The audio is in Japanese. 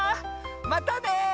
またね！